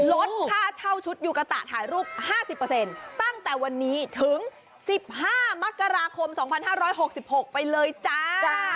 ลดค่าเช่าชุดยูกะตะถ่ายรูป๕๐ตั้งแต่วันนี้ถึง๑๕มกราคม๒๕๖๖ไปเลยจ้า